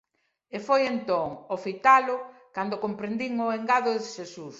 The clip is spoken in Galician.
E foi entón, ó fitalo, cando comprendín o engado de Xesús.